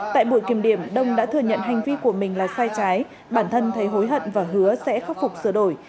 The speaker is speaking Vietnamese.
tại buổi kiểm điểm đông đã thừa nhận hành vi của mình là sai trái bản thân thấy hối hận và hứa sẽ khắc phục sửa đổi